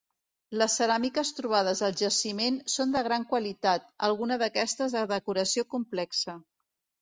Les ceràmiques trobades al jaciment són de gran qualitat, alguna d'aquestes de decoració complexa.